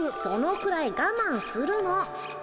そのくらいがまんするの。